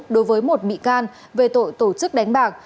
đối với một bị can về tội tổ chức đánh bạc